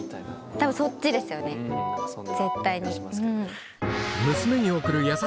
多分そっちですよね絶対に。